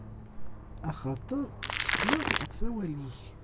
Axaṭer ttekleɣ ɣef wawal-ik.